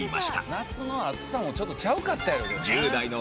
夏の暑さもちょっとちゃうかったやろうけどな。